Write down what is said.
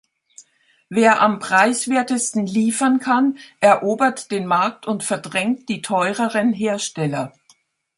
Wer am preiswertesten liefern kann, erobert den Markt und verdrängt die teureren Hersteller.